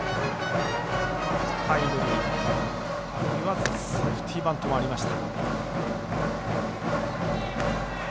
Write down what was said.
タイムリー、あるいはセーフティーバントもありました。